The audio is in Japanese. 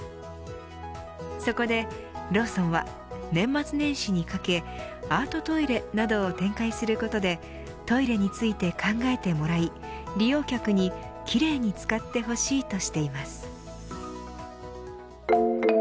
そこでローソンは年末年始にかけアートトイレなどを展開することでトイレについて考えてもらい利用客に奇麗に使ってほしいとしています。